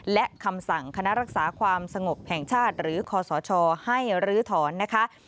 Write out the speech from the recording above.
และคำสั่งคณะรักษาความสงบแห่งชาติหรือคศให้ลื้อถอนนะคะ